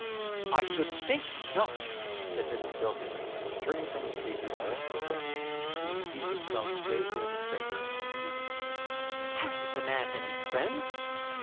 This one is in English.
"I should think not," said Mrs. Bilkins, turning from the speaker to Mr. O'Rourke, who had seated himself gravely on the scraper and was weeping. "Hasn't the man any friends?"